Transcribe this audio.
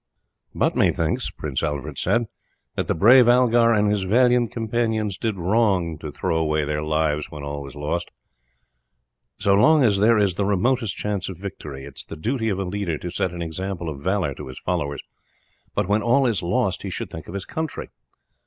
"But methinks," Prince Alfred said, "that the brave Algar and his valiant companions did wrong to throw away their lives when all was lost. So long as there is the remotest chance of victory it is the duty of a leader to set an example of valour to his followers, but when all is lost he should think of his country.